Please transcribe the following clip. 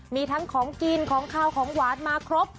มีทั้งของกินของขาวของหวานมาครบ